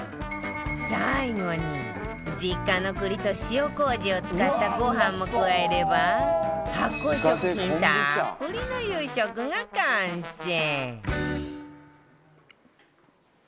最後に実家の栗と塩麹を使ったご飯も加えれば発酵食品たっぷりの夕食が完成